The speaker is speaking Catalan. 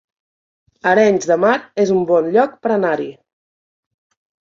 Arenys de Mar es un bon lloc per anar-hi